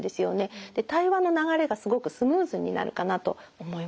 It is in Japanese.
対話の流れがすごくスムーズになるかなと思います。